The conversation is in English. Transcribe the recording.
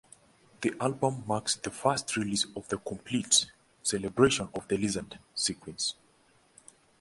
The album marks the first release of the complete "Celebration of the Lizard" sequence.